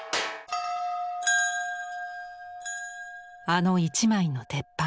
あの一枚の鉄板。